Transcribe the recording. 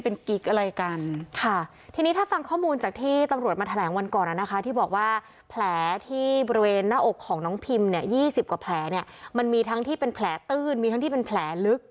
ผู้หญิงเขาน่าจะแยกแยะได้ว่านี่คือเรื่องงาน